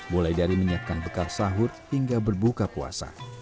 mulai dari menyiapkan bekal sahur hingga berbuka puasa